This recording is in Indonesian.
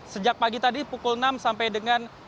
sejak pagi tadi pukul enam sampai dengan